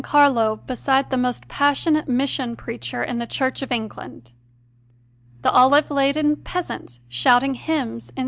Carlo beside the most passion ate mission preacher in the Church of England; the olive laden peasants shouting hymns in S.